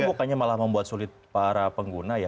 ini bukannya malah membuat sulit para pengguna ya